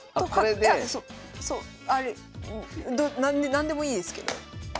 何でもいいですけど。